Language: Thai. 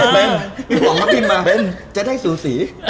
พี่ป๋องเขาพิมพ์มาจะได้สูสี